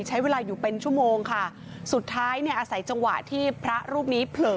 ใช้เวลาอยู่เป็นชั่วโมงค่ะสุดท้ายเนี่ยอาศัยจังหวะที่พระรูปนี้เผลอ